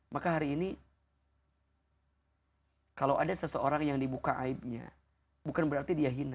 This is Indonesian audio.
maka hari ini kalau ada seseorang yang dibuka aibnya bukan berarti dia hina